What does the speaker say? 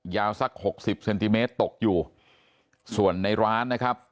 ยาวสัก๖๐เซนติเมตรตกอยู่ส่วนในร้านนะครับ